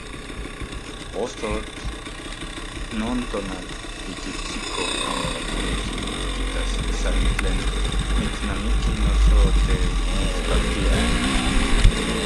Ostotl non tonal okitsiko amo moneki tikitas san tlen mitsnamiki noso te mitspaktia.